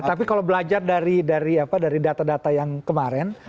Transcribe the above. tapi kalau belajar dari data data yang kemarin